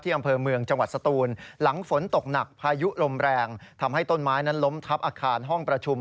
อำเภอเมืองจังหวัดสตูนหลังฝนตกหนักพายุลมแรงทำให้ต้นไม้นั้นล้มทับอาคารห้องประชุม